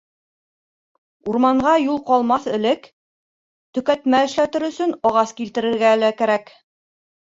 Урманға юл ҡалмаҫ элек төкәтмә эшләтер өсөн ағас килтерергә лә кәрәк.